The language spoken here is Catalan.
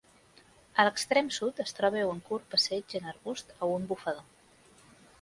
A l'extrem sud es troba un curt passeig en arbust a un bufador.